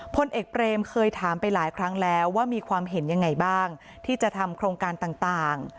พลเอกเปรมเคยถามไปหลายครั้งแล้วว่ามีความเห็นยังไงบ้างที่จะทำโครงการต่าง